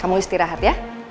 kamu istirahat ya